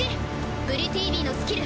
プリティヴィーのスキル！